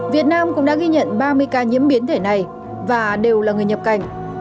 việt nam cũng đã ghi nhận ba mươi ca nhiễm biến thể này và đều là người nhập cảnh